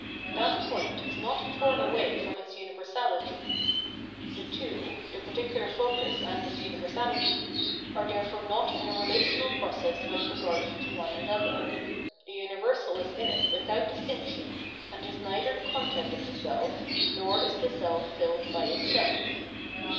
That point is not torn away from its universality ; the two [the particular focus and its universahty] are therefore not in a relational process with regard to one another : the umversal is in it without distinction, and is neither the content of the seH, nor is the self filled by itself.